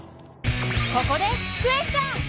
ここでクエスチョン！